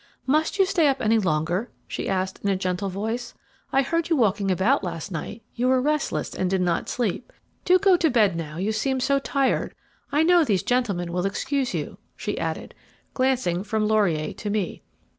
"Must you stay up any longer?" she asked in a gentle voice. "I heard you walking about last night; you were restless and did not sleep. Do go to bed now; you seem so tired. I know these gentlemen will excuse you," she added, glancing from Laurier to me.